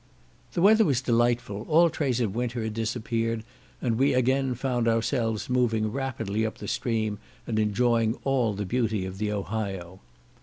The weather was delightful; all trace of winter had disappeared, and we again found ourselves moving rapidly up the stream, and enjoying all the beauty of the Ohio.